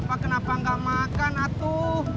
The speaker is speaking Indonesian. bapak kenapa gak makan atuh